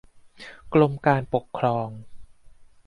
กรมการปกครอง